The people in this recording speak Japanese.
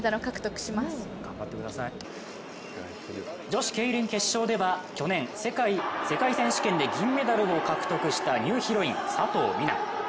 女子ケイリン決勝では去年、世界選手権で銀メダルを獲得したニューヒロイン・佐藤水菜。